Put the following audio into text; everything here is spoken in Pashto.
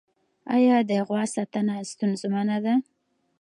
آیا د غوا ساتنه ستونزمنه ده؟